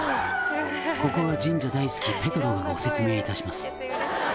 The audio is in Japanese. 「ここは神社大好きペトロがご説明いたします」